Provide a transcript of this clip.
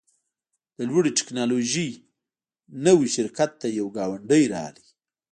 د لوړې ټیکنالوژۍ نوي شرکت ته یو ګاونډی راغی